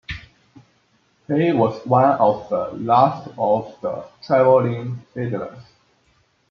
He was one of the last of the travelling fiddlers.